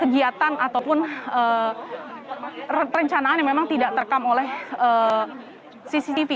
kegiatan ataupun rencanaan yang memang tidak terkam oleh cctv